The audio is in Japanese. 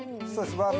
そうです。